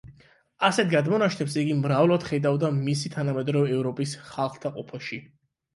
ასეთ გადმონაშთებს იგი მრავლად ხედავდა მისი თანამედროვე ევროპის ხალხთა ყოფაში.